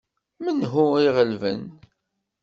Menhu i iɣelben?